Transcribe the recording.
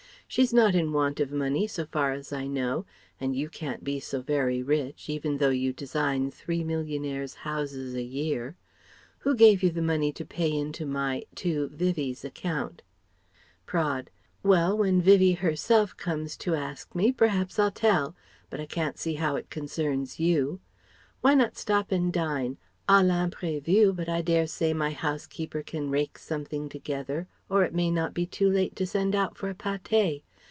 She's not in want of money so far as I know, and you can't be so very rich, even though you design three millionaire's houses a year. Who gave you the money to pay in to my to Vivie's account?" Praed: "Well, when Vivie herself comes to ask me, p'raps I'll tell; but I can't see how it concerns you. Why not stop and dine à l'imprévu, but I dare say my housekeeper can rake something together or it may not be too late to send out for a paté.